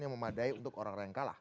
yang memadai untuk orang orang yang kalah